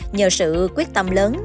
nhờ sự quyết tâm lớn